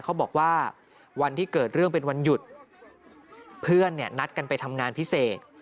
เขาบอกว่าวันที่เกิดเรื่องเป็นวันหยุดเพื่อนเนี่ยนัดกันไปทำงานพิเศษ